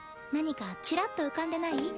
何かちらっと浮かんでない？